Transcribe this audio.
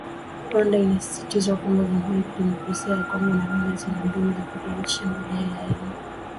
Rwanda inasisitizwa kwamba “Jamhuri ya demokrasia ya Kongo na Rwanda zina mbinu za kuthibitisha madai ya aina yoyote chini ya ushirika wa nchi za maziwa makuu.